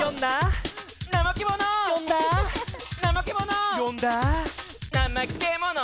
「ナマケモノ」